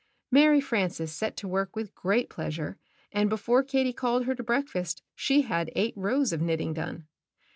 Mary Frances set to work with great pleasure, and before Katie called her to breakfast she had eight rows of knitting done.